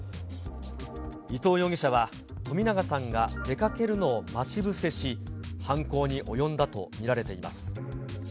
伊藤容疑者は、冨永さんが出かけるのを待ち伏せし、犯行に及んだと見られています。